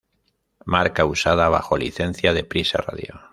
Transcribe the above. Marca usada bajo licencia de Prisa Radio.